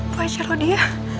bagaimana kalau dia